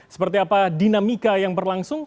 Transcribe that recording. seperti apa dinamika yang berlangsung